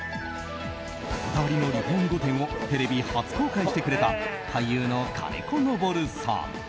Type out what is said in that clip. こだわりのリフォーム御殿をテレビ初公開してくれた俳優の金子昇さん。